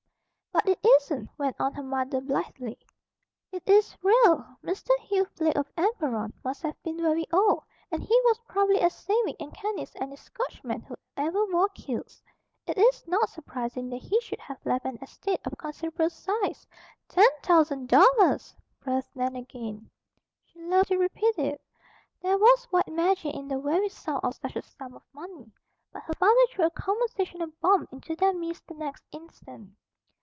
"But it isn't," went on her mother blithely. "It is real. Mr. Hugh Blake, of Emberon, must have been very old; and he was probably as saving and canny as any Scotchman who ever wore kilts. It is not surprising that he should have left an estate of considerable size " "Ten thousand dollars!" breathed Nan again. She loved to repeat it. There was white magic in the very sound of such a sum of money. But her father threw a conversational bomb into their midst the next instant.